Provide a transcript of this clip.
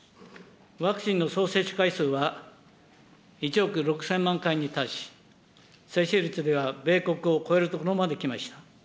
ワクチンの総接種回数は、１億６０００万回に達し、接種率では米国を超えるところまできました。